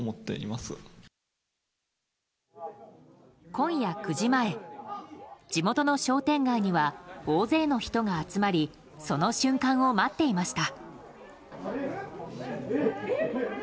今夜９時前地元の商店街には大勢の人が集まりその瞬間を待っていました。